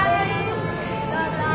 どうぞ。